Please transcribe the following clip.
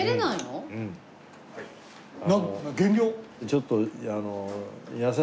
ちょっと。